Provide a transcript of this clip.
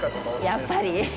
やっぱり。